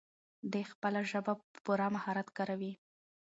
دی خپله ژبه په پوره مهارت کاروي.